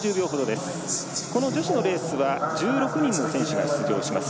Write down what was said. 女子のレースは１６人の選手が出場します。